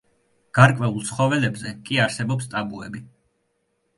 გარკვეულ ცხოველებზე კი არსებობს ტაბუები.